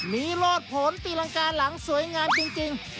มีรอดผลตีรังกาหลังสวยงามจริง